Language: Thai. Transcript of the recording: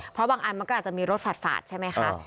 เพราะบางอันมันก็อาจจะมีรถฝาดใช่ไหมคะ